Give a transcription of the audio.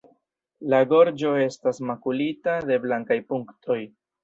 La gorĝo estas makulita de blankaj punktoj.